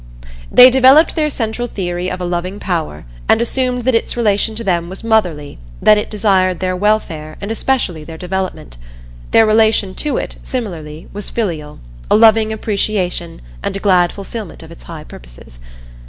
They developed their central theory of a Loving Power, and assumed that its relation to them was motherly that it desired their welfare and especially their development. Their relation to it, similarly, was filial, a loving appreciation and a glad fulfillment of its high purposes.